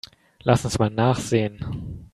Lass uns mal nachsehen.